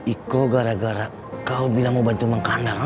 iko gara gara kau bilang mau bantu mengandar